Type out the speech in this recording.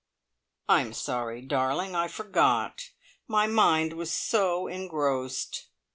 "I'm sorry, darling. I forgot. My mind was so engrossed."